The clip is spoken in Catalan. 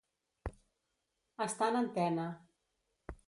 Està en antena.